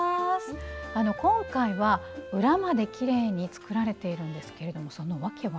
今回は裏まできれいに作られているんですけれどもその訳は？